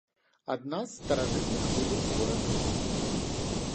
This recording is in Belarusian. Адна з старажытных вуліц горада.